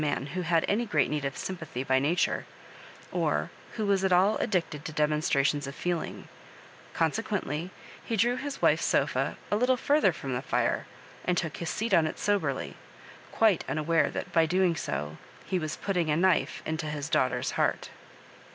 man who had any great need of sympathy by nature, or who was at all addicted to demonstrations of feeling ; con sequently, he drew his wife's sofa a little further from the fire, and took his seat on it soberly, quite unaware that, by so doing, he was putting a knife into his daughter's heart.